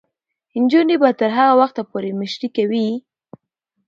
نجونې به تر هغه وخته پورې مشري کوي.